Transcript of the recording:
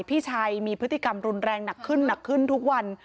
พฤติกรรมรุนแรงหนักขึ้นทุกวัน